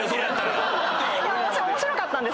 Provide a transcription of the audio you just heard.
面白かったんで。